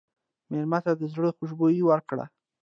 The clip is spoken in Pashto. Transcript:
مېلمه ته د زړه خوشبويي ورکړه.